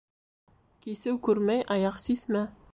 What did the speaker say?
Кисеү күрмәй аяҡ сисмә.